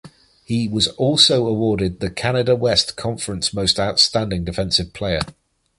He was also awarded the Canada West Conference Most Outstanding Defensive player.